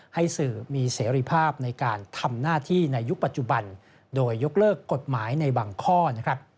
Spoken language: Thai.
ให้สื่อมีเสรีภาพในการทำหน้าที่ในยุคปัจจุบันโดยยกเลิกกฎหมายในบางข้อนะครับ